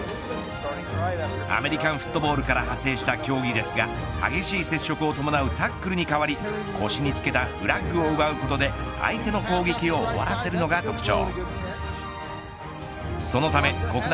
アメリカンフットボールから派生した競技ですが激しい接触をともなうタックルに変わり腰につけたフラッグを奪うことで相手の攻撃を終わらせるのが特徴。